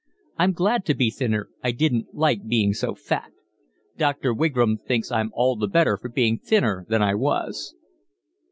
I'm glad to be thinner, I didn't like being so fat. Dr. Wigram thinks I'm all the better for being thinner than I was."